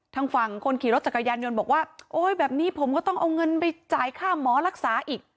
ทางฝั่งคนขี่รถจักรยานยนต์บอกว่าโอ๊ยแบบนี้ผมก็ต้องเอาเงินไปจ่ายค่าหมอรักษาอีก